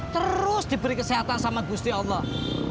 terus diberi kesehatan sama gusti allah